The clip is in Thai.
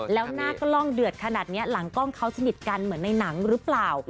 แล้วหน้ากล้องเดือดขนาดนี้หลังกล้องเขาสนิทกันเหมือนในหนังหรือเปล่า